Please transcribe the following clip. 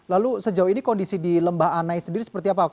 lalu sejauh ini kondisi di lembah anai sendiri seperti apa